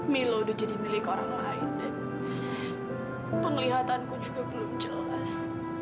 milo udah jadi milik orang lain dan penglihatanku juga belum jelas